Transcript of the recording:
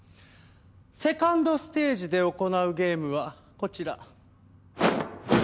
セカンドステージで行うゲームはこちら。